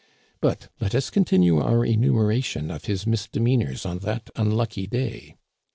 But let us continue our enumeration of his misdemeanors on that unlucky day